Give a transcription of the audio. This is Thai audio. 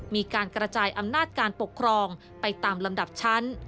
มีการกระจายอำนาจการปกครองไปตามลำดับชั้น